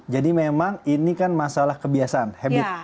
jadi memang ini kan masalah kebiasaan habit